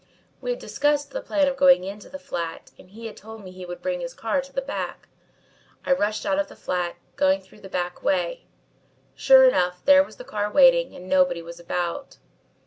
We had discussed the plan of going into the flat and he had told me how he would bring his car to the back. I rushed out of the flat, going through the back way. Sure enough there was the car waiting and nobody was about.